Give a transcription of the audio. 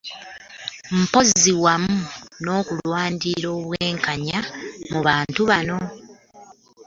Mpozzi wamu n'okulwanirira obwenkanya mu bantu bano.